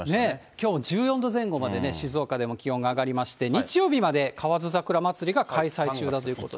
きょう、１４度前後までね、静岡でも気温が上がりまして、日曜日まで河津桜まつりが開催中だということです。